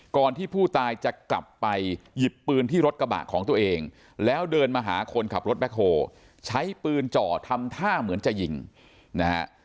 ก่อนที่ผู้ตายจะกลับไปหยิบปืนที่รถกระบะของตัวเองแล้วเดินมาหาคนขับรถแบ็คโฮใช้ปืนจ่อทำท่าเหมือนจะยิงนะฮะ